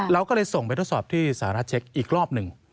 เราก็เลยส่งไปทดสอบที่สหรัฐเช็คอีกรอบหนึ่ง